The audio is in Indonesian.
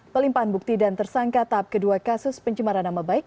pelimpahan bukti dan tersangka tahap kedua kasus pencemaran nama baik